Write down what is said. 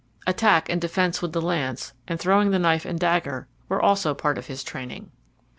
Attack and defence with the lance, and throwing the knife and dagger were also part of his training.